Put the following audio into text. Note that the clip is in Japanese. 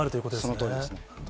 そのとおりですね。